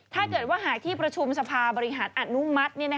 ถ้าเกิดว่าหากที่ประชุมสภาบริหารอนุมัติ